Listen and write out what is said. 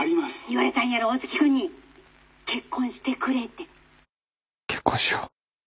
「言われたんやろ大月君に『結婚してくれ』て」。結婚しよう。